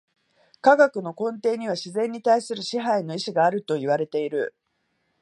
科学の根底には自然に対する支配の意志があるといわれている。